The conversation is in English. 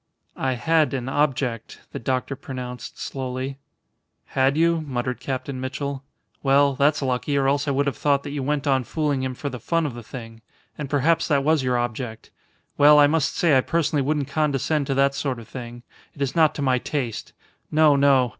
"I had an object," the doctor pronounced, slowly. "Had you?" muttered Captain Mitchell. "Well, that's lucky, or else I would have thought that you went on fooling him for the fun of the thing. And perhaps that was your object. Well, I must say I personally wouldn't condescend to that sort of thing. It is not to my taste. No, no.